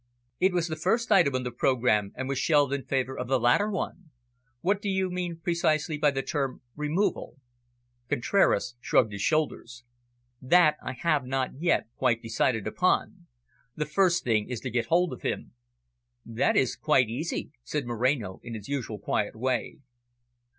"It was the first item on the programme, and was shelved in favour of the later one. What do you mean precisely by the term `removal'?" Contraras shrugged his shoulders. "That I have not yet quite decided upon. The first thing is to get hold of him." "That is quite easy," said Moreno in his usual quiet way.